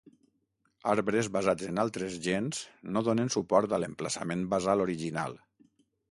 Arbres basats en altres gens no donen suport a l'emplaçament basal original.